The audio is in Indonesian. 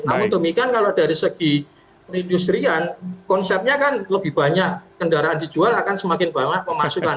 namun demikian kalau dari segi perindustrian konsepnya kan lebih banyak kendaraan dijual akan semakin banyak pemasukan